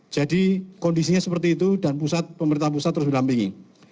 jadi kondisinya seperti itu dan pemerintah pusat terus berlampingi